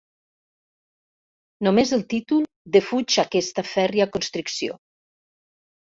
Només el títol defuig aquesta fèrria constricció.